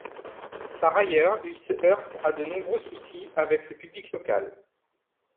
Par ailleurs, il se heurte à de nombreux soucis avec le public local.